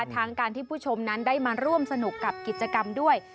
ทั้งการที่ผู้ชมนั้นได้มาร่วมสนุกกับกิจกรรมด้วย